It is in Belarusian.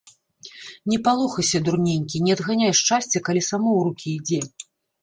Не палохайся, дурненькі, не адганяй шчасця, калі само ў рукі ідзе.